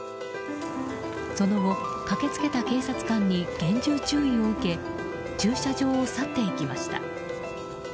その後、駆け付けた警察官に厳重注意を受け駐車場を去っていきました。